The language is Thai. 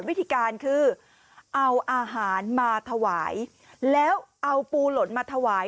วิธีการคือเอาอาหารมาถวายแล้วเอาปูหล่นมาถวาย